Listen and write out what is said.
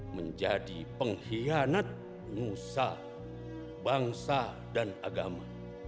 menjadi pengkhianat nusa bangsa dan agama